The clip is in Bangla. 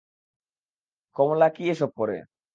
কমলা কি এসব পড়ে?